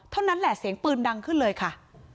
เท่านั้นแหละเสียงปืนดังขึ้นเลยค่ะ